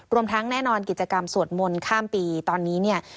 รวมทั้งแน่นอนกิจกรรมสวดมนต์ข้ามปีตอนนี้